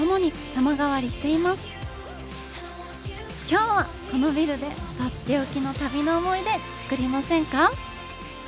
今日はこのビルで取って置きの旅の思い出作りませんか？